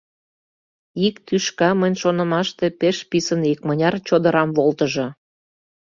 Ик тӱшка, мыйын шонымаште, пеш писын икмыняр чодырам волтыжо.